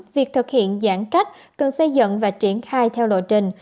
việc thực hiện giãn cách cần xây dựng và triển khai theo lộ trình